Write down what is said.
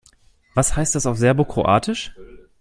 Was heißt das auf Serbokroatisch?